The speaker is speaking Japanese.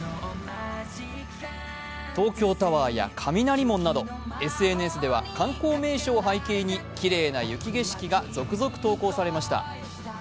東京タワーや雷門などＳＮＳでは観光名所を背景にきれいな雪景色が続々、投稿されました。